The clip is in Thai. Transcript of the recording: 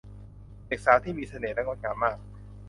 เด็กสาวที่มีเสน่ห์และงดงามมาก